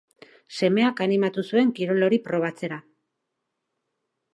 Semeak animatu zuen kirol hori probatzera.